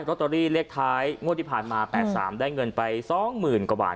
ล็อตเตอรี่เลขท้ายงวดที่ผ่านมาแปดสามได้เงินไปสองหมื่นกว่าบาท